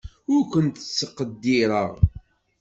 Ur kent-ttqeddireɣ.